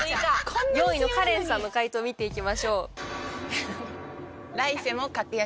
４位のカレンさんの回答見ていきましょう。